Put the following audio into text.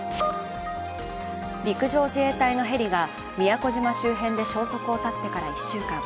陸上自衛隊のヘリが宮古島周辺で消息を絶ってから１週間。